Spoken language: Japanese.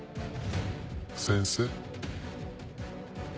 先生。